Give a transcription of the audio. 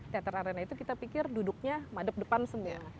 teater arena itu kita pikir duduknya madep depan semua